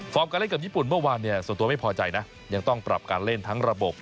การเล่นกับญี่ปุ่นเมื่อวานเนี่ยส่วนตัวไม่พอใจนะยังต้องปรับการเล่นทั้งระบบ